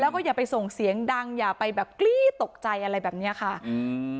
แล้วก็อย่าไปส่งเสียงดังอย่าไปแบบกรี๊ดตกใจอะไรแบบเนี้ยค่ะอืม